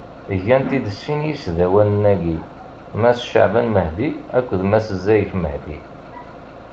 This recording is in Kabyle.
Gan-t-id sin yisdawanen-agi: Mass Caɛban Mahdi akked Mass Zayef Mahdi.